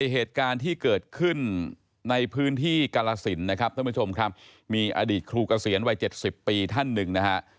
เหตุการณ์ที่เกิดขึ้นในพื้นที่กาลสินนะครับท่านผู้ชมครับมีอดีตครูเกษียณวัย๗๐ปีท่านหนึ่งนะฮะ